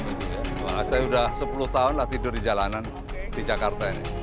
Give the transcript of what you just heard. saya sudah sepuluh tahun lah tidur di jalanan di jakarta ini